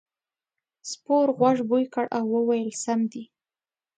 سپور غوږ بوی کړ او وویل سم دی.